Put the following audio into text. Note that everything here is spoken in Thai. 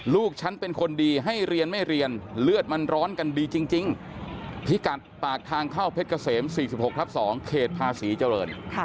ลูกฉันเป็นคนดีให้เรียนไม่เรียนเลือดมันร้อนกันดีจริงพิกัดปากทางเข้าเพชรเกษม๔๖ทับ๒เขตภาษีเจริญ